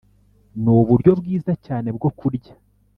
nuburyo bwiza cyane bwo kurya